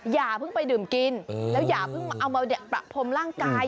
อย่าเพิ่งไปดื่มกินแล้วอย่าเพิ่งเอามาประพรมร่างกาย